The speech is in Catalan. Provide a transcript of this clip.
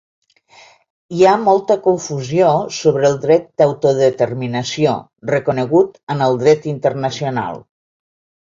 Hi ha molta confusió sobre el dret d’autodeterminació, reconegut en el dret internacional.